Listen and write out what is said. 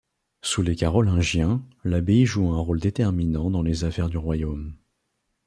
Sous les Carolingiens, l’abbaye joue un rôle déterminant dans les affaires du royaume.